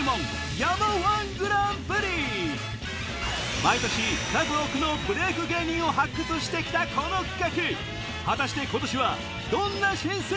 毎年数多くのブレイク芸人を発掘して来たこの企画